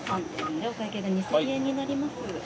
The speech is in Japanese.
お会計が２，０００円になります。